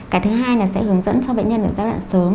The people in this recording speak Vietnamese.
cái thứ hai là sẽ hướng dẫn cho bệnh nhân ở giai đoạn sớm